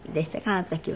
あの時は。